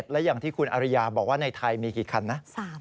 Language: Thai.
และอย่างที่คุณอริยาบอกว่าในไทยมีกี่คันนะ